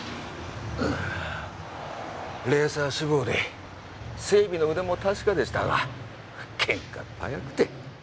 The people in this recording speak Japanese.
レーサー志望で整備の腕も確かでしたがケンカっ早くて。